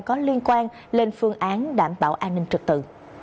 có liên quan lên phương án đảm bảo an ninh trật tự